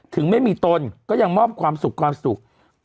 ถึงไม่มีตนก็ยังมอบความสุขความสุข